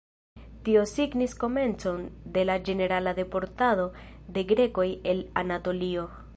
Tio signis komencon de la ĝenerala deportado de grekoj el Anatolio.